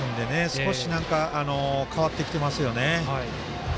少し変わってきてますよね。